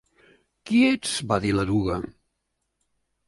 "Qui ets?" -va dir l'eruga.